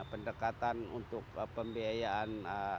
pendekatan untuk pembiayaan